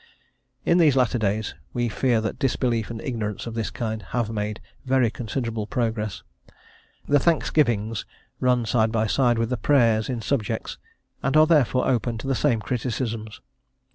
In these latter days we fear that disbelief and ignorance of this kind have made very considerable progress. The Thanksgivings run side by side with the prayers in subjects, and are therefore open to the same criticisms.